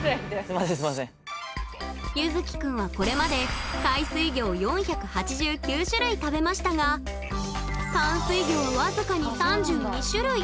ゆずきくんはこれまで海水魚を４８９種類食べましたが淡水魚は僅かに３２種類。